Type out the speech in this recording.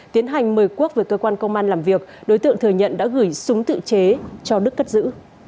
tiến hành mời quốc về cơ quan công an làm việc đối tượng thừa nhận đã gửi súng tự chế cho đức cất giữ